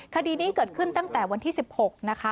คดีนี้เกิดขึ้นตั้งแต่วันที่๑๖นะคะ